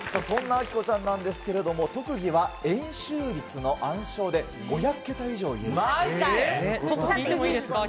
そんなあきこちゃんなんですけれども、特技は円周率の暗唱で、５００桁以上、言えるそうです。